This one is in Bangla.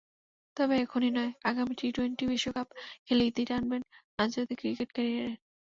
তবে এখনই নয়, আগামী টি-টোয়েন্টি বিশ্বকাপ খেলেই ইতি টানবেন আন্তর্জাতিক ক্রিকেট ক্যারিয়ারের।